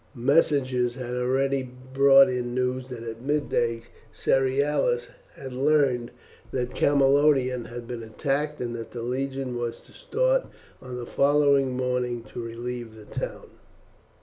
Messengers had already brought in news that at midday Cerealis had learned that Camalodunum had been attacked, and that the legion was to start on the following morning to relieve the town.